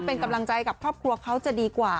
เป็นกำลังใจกับครอบครัวเขาจะดีกว่า